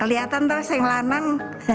kelihatan toh seng lanang